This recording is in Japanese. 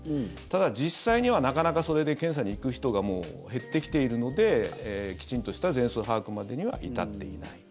ただ、実際には、なかなかそれで検査に行く人が減ってきてるのできちんとした全数把握までには至っていない。